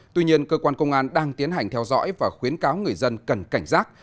tuy nhiên cơ quan công an đang tiến hành theo dõi và khuyến cáo người dân cần cảnh giác